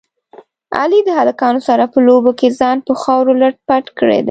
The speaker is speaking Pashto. علي د هلکانو سره په لوبو کې ځان په خاورو لت پت کړی دی.